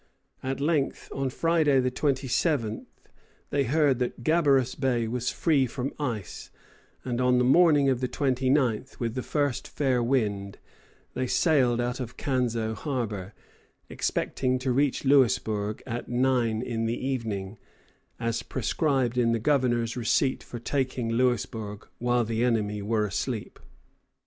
At length, on Friday, the 27th, they heard that Gabarus Bay was free from ice, and on the morning of the 29th, with the first fair wind, they sailed out of Canseau harbor, expecting to reach Louisbourg at nine in the evening, as prescribed in the Governor's receipt for taking Louisbourg "while the enemy were asleep."